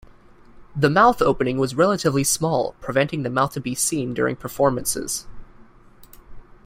The mouth opening was relatively small, preventing the mouth to be seen during performances.